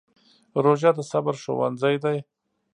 روژه د صبر ښوونځی دی.